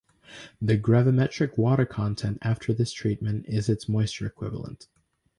The gravimetric water content after this treatment is its moisture equivalent.